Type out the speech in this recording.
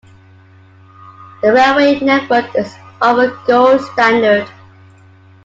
The railway network is of a gold standard.